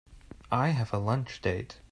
I have a lunch date.